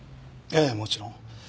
ええもちろん。